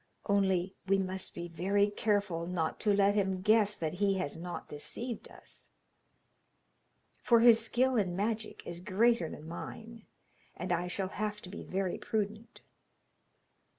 Only we must be very careful not to let him guess that he has not deceived us, for his skill in magic is greater than mine, and I shall have to be very prudent.